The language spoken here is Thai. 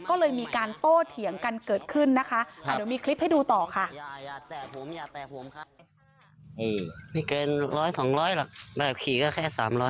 ก็เลยมีการโต้เถียงกันเกิดขึ้นนะคะ